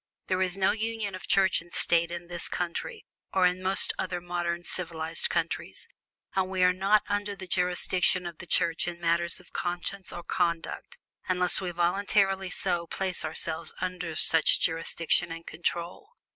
There is no union of Church and State in this country, or in most other modern civilized countries; and we are not under the jurisdiction of the Church in matters of conscience or conduct, unless we voluntarily so place ourselves under such jurisdiction and control.